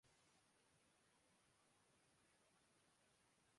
کروشیا مرسینجا Pozega club کا کھلاڑی سینے پر گیند لگنے سے ہلاک